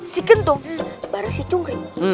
si kentut bareng si cungri